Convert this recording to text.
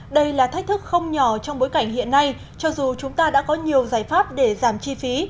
đây là thách thức không nhỏ trong bối cảnh hiện nay cho dù chúng ta đã có nhiều giải pháp để giảm chi phí